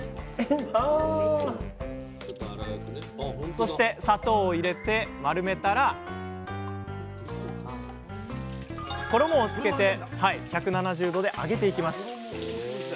そして砂糖を入れて丸めたら衣をつけて１７０℃で揚げていきます